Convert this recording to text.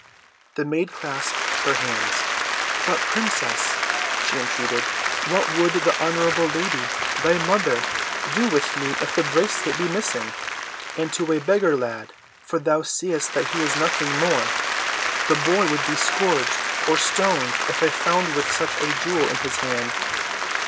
The maid clasped her hands. "But, princess," she entreated, "what would the honorable lady, thy mother, do with me if the bracelet be missing? And to a beggar lad—for thou seest that he is nothing more. The boy would be scourged or stoned if found with such a jewel in his hand."